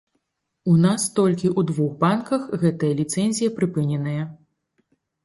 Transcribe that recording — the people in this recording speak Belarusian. У нас толькі ў двух банках гэтая ліцэнзія прыпыненая.